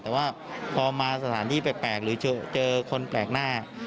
แต่ว่าพอมาสถานที่แปลกหรือเจอคนแปลกหน้า